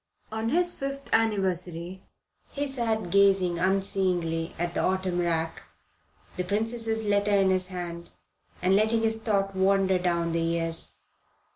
On this fifth anniversary he sat gazing unseeingly at the autumn rack, the Princess's letter in his hand, and letting his thoughts wander down the years.